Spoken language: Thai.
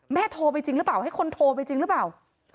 โทรไปจริงหรือเปล่าให้คนโทรไปจริงหรือเปล่า